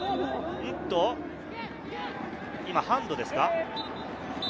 今はハンドですか？